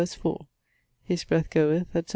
4. His breath goeth, etc.